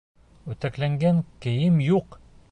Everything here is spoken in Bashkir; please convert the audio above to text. Үтекләнгән кейем юҡ!